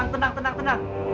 tenang tenang tenang